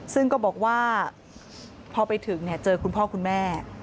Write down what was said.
ซึ่งก็บอกว่าพอไปถึงเจอคุณพ่อคุณแม่